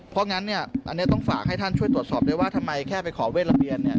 เพราะงั้นเนี่ยอันนี้ต้องฝากให้ท่านช่วยตรวจสอบด้วยว่าทำไมแค่ไปขอเวทระเบียนเนี่ย